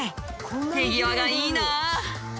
手際がいいなあ。